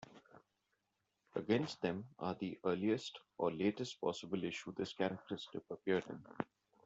against them are the earliest or latest possible issue this character's strip appeared in.